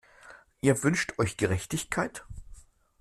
Ihr wünscht euch Gerechtigkeit?